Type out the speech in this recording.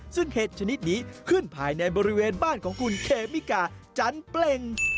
ซึ่งเห็ดชนิดนี้ขึ้นภายในบริเวณบ้านของคุณเคมิกาจันเปล่ง